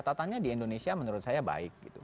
tatanya di indonesia menurut saya baik